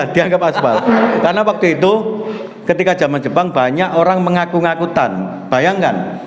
dianggap aspal karena waktu itu ketika zaman jepang banyak orang mengaku ngakutan bayangkan